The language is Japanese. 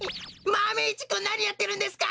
マメ１くんなにやってるんですか！